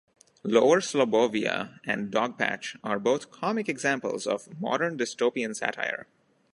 Lower Slobbovia and Dogpatch are both comic examples of modern dystopian satire.